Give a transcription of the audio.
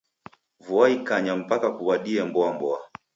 Vua ikanya mpaka kuw'adie mboa-mboa.